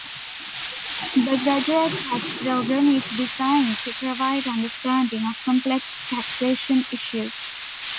The Graduate Tax Program is designed to provide understanding of complex taxation issues.